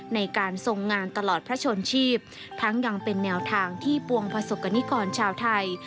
ในการทรงงานตลอดพระชนชีพทั้งยังเป็นแนวทางที่ปวงประสบกรณิกรชาวไทย